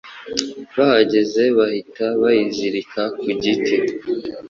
bahageze bahita bayizirika ku giti